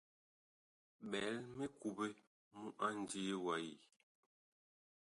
Bɛl mikuɓe mu a ndii wa yi.